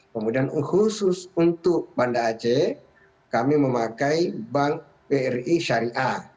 kemudian khusus untuk banda aceh kami memakai bank bri syariah